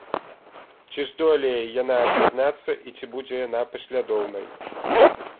Ці здолее яна аб'яднацца і ці будзе яна паслядоўнай?